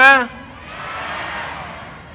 ดี